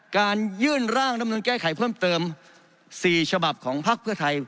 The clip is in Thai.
การยื่นร่างดำเนินแก้ไขเพิ่มเติม๔ฉบับของพักเพื่อไทย